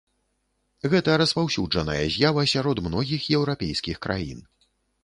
Гэта распаўсюджаная з'ява сярод многіх еўрапейскіх краін.